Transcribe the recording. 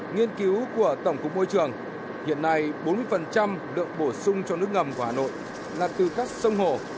nghiên cứu của tổng cục môi trường hiện nay bốn mươi lượng bổ sung cho nước ngầm của hà nội là từ các sông hồ